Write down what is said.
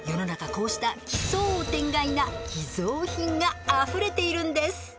こうした奇想天外な寄贈品があふれているんです。